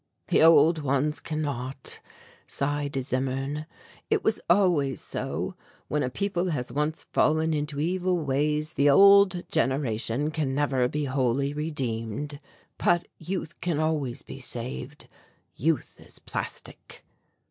"The old ones cannot," sighed Zimmern; "it was always so; when a people has once fallen into evil ways the old generation can never be wholly redeemed, but youth can always be saved youth is plastic."